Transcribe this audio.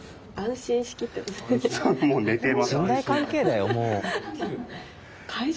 信頼関係だよもう。